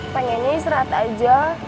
pengennya istirahat aja